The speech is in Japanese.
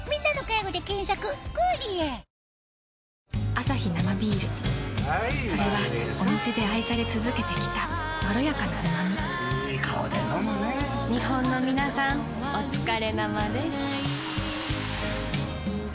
アサヒ生ビールそれはお店で愛され続けてきたいい顔で飲むね日本のみなさんおつかれ生です。